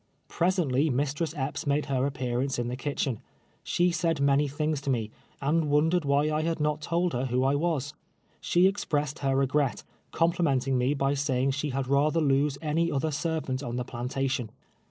Presently Mistress Epps made her appearance in the kitchen. She said many things to me, and won dered why I had not told her who I was. She ex pressed her regret, complimenting me by saying she had rather lose any other servant on the plantation.